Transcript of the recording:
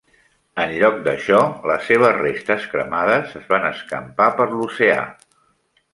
En lloc d"això, les seves restes cremades es van escampar per l"oceà.